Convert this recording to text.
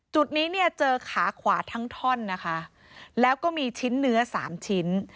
จุดนี้เนี่ยเจอขาขวาทั้งท่อนนะคะแล้วก็มีชิ้นเนื้อสามชิ้น